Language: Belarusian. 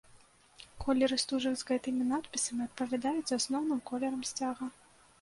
Колеры стужак з гэтымі надпісамі адпавядаюць асноўным колерам сцяга.